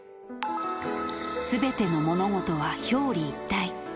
すべての物事は表裏一体。